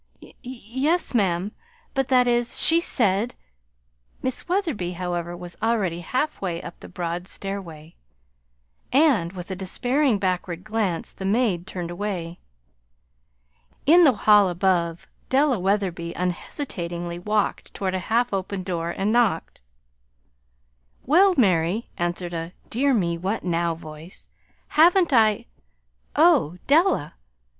"Y yes, ma'am; but that is, she said " Miss Wetherby, however, was already halfway up the broad stairway; and, with a despairing backward glance, the maid turned away. In the hall above Della Wetherby unhesitatingly walked toward a half open door, and knocked. "Well, Mary," answered a "dear me what now" voice. "Haven't I Oh, Della!"